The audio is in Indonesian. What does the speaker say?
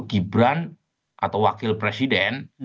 gibran atau wakil presiden